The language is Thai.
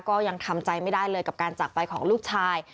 ก็ยังทำใจไม่ได้เลยกับการจากไปของลูกชาย